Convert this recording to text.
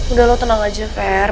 udah lo tenang aja fair